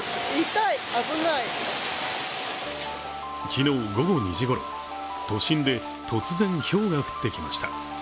昨日午後２時ごろ、都心で突然ひょうが降ってきました。